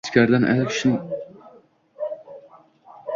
ichkaridan ayol kishining bo‘g‘iq ovozdagi nolasi eshitildi\